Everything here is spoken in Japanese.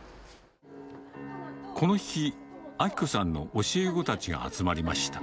この日、明子さんの教え子たちが集まりました。